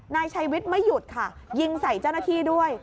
นายชัยวิทย์ไม่หยุดค่ะยิงใส่เจ้าหน้าที่ด้วย